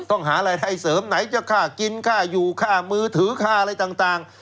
หารายได้เสริมไหนจะค่ากินค่าอยู่ค่ามือถือค่าอะไรต่าง